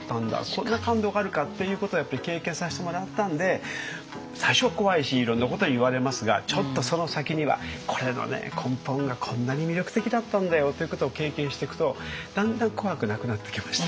こんな感動があるかっていうことをやっぱり経験させてもらったんで最初は怖いしいろんなこと言われますがちょっとその先にはこれのね根本がこんなに魅力的だったんだよっていうことを経験していくとだんだん怖くなくなってきました。